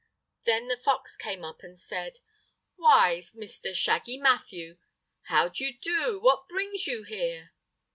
Then the fox came up and said: "Why, Mr. Shaggy Matthew! How d'ye do? What brings you here?"